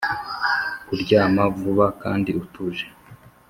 kuryama vuba kandi utuje,